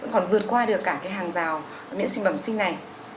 vẫn còn vượt qua được cả cái hàng rào miễn dịch bẩn sinh này